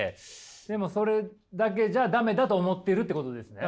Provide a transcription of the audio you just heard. でもそれだけじゃ駄目だと思ってるってことですね？